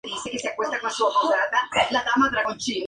Tuvo relación con el maestre de Rodas Juan Fernández de Heredia.